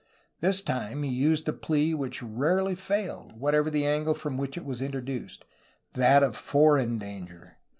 This time he used the plea which rarely failed, whatever the angle from which it was introduced, — that of foreign danger.